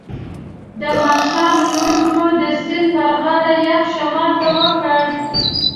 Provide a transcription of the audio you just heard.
د ماښام لمونځ مو د سیند پر غاړه یخ شمال ته وکړ.